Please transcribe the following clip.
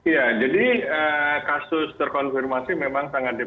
ya jadi kasus terkonfirmasi memang sangat diperlukan